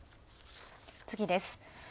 次です。